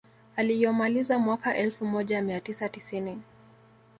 Aliyomaliza mwaka elfu moja mia tisa tisini